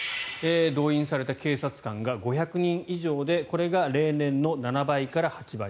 動員された警察官が５００人以上でこれが例年の７倍から８倍。